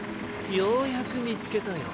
ようやくみつけたよ。